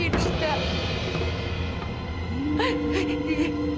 aku tahu kamu dimana